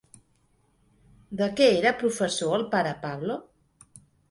De què era professor el pare Pablo?